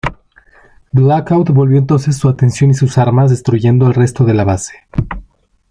Blackout volvió entonces su atención y sus armas destruyendo al resto de la base.